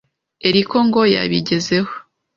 eriko ngo yebigezeho.